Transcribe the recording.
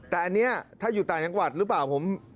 แต่อันนี้ถ้าอยู่ต่างจังหวัดหรือเปล่าผม